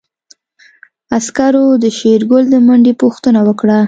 عسکرو د شېرګل د منډې پوښتنه وکړه.